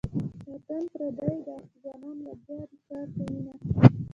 وطن پردی ده ځوانان لګیا دې کار کوینه.